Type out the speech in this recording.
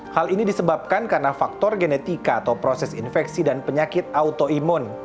hal ini disebabkan karena faktor genetika atau proses infeksi dan penyakit autoimun